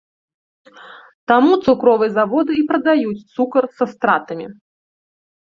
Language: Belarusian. Таму цукровыя заводы і прадаюць цукар са стратамі.